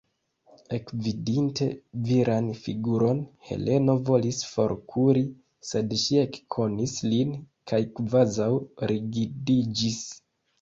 Ekvidinte viran figuron, Heleno volis forkuri, sed ŝi ekkonis lin kaj kvazaŭ rigidiĝis.